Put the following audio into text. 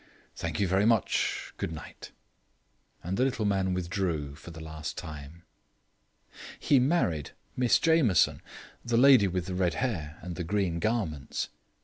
Thank you very much. Good night." And the little man withdrew for the last time. He married Miss Jameson, the lady with the red hair and the green garments.